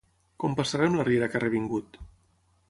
Com passarem la riera que ha revingut?